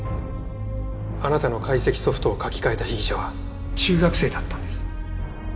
あなたの解析ソフトを書き換えた被疑者は中学生だったんです。